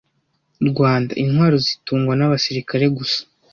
Rwanda intwaro zitugwa na basirikare gusa